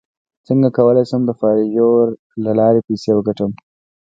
څنګه کولی شم د فایور له لارې پیسې وګټم